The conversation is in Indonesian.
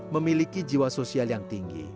memiliki jiwa sosial yang tinggi